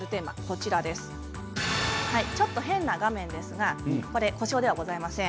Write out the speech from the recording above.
ちょっと変な画面ですが故障ではございません。